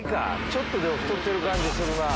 ちょっと太ってる感じするなぁ。